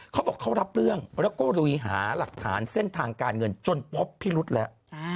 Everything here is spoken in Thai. เขาบอกเขารับเรื่องแล้วก็ลุยหาหลักฐานเส้นทางการเงินจนพบพิรุษแล้ว